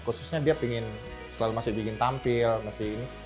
khususnya dia ingin selalu masih bikin tampil masih ini